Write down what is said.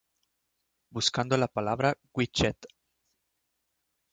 Buscando la palabra widget.